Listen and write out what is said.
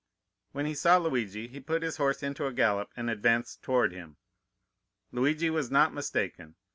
When he saw Luigi, he put his horse into a gallop and advanced toward him. "Luigi was not mistaken.